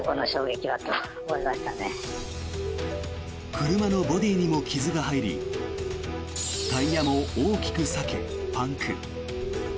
車のボディーにも傷が入りタイヤも大きく裂け、パンク。